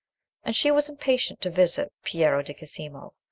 And she was impatient to visit Piero di Cosimo.